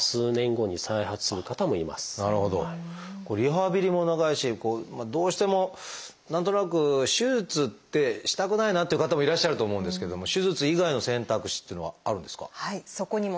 これリハビリも長いしどうしても何となく手術ってしたくないなっていう方もいらっしゃると思うんですけれども手術以外の選択肢っていうのはあるんですか？